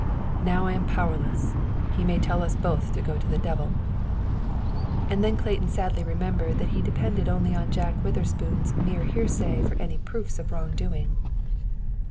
"Now I am powerless. He may tell us both to go to the devil." And then Clayton sadly remembered that he depended only on Jack Witherspoon's mere hearsay for any proofs of wrong doing.